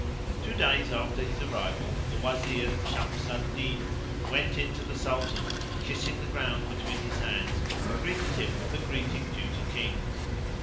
Two days after his arrival the Wazir Shams al din went in to the Sultan and, kissing the ground between his hands, greeted him with the greeting due to Kings.